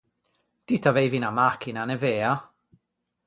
Ti t’aveivi unna machina, n’é vea?